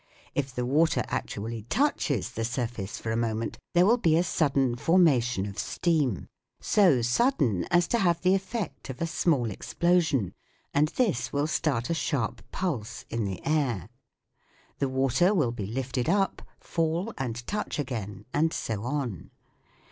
If the water actually touches the surface for a moment, there will be a sudden formation of steam, so sudden as to have the effect of a small explosion, and this will start a sharp pulse in the air. The water will be lifted up, fall, and touch again, and so on.